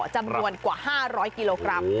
จำนวนกว่า๕๐๐กิโลกรัม